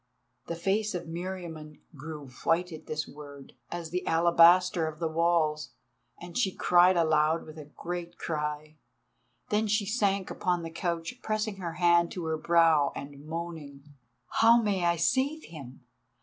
The face of Meriamun grew white at this word, as the alabaster of the walls, and she cried aloud with a great cry. Then she sank upon the couch, pressing her hand to her brow and moaning: "How may I save him?